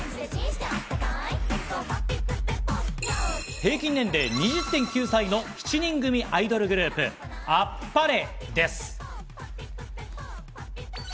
平均年齢２０．９歳の７人組アイドルグループ・Ａｐｐａｒｅ！